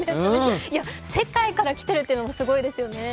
世界から来てるっていうのもすごいですよね。